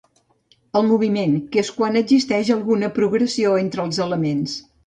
El moviment, que és quan existeix alguna progressió entre els elements.